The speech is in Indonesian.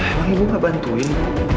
emang ibu nggak bantuin